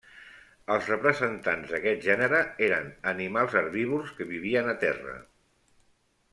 Els representants d'aquest gènere eren animals herbívors que vivien a terra.